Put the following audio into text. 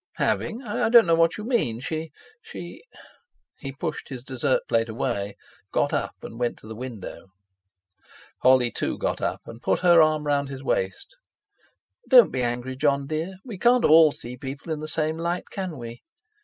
"'Having'. I don't know what you mean. She—she—" he pushed his dessert plate away, got up, and went to the window. Holly, too, got up, and put her arm round his waist. "Don't be angry, Jon dear. We can't all see people in the same light, can we?